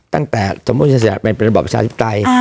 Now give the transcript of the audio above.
ตั้งแต่สมมุติเป็นระบอบประชาธิปไตย